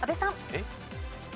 えっ？